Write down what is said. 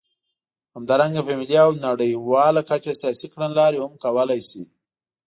همدارنګه په ملي او نړیواله کچه سیاسي کړنلارې هم کولای شي.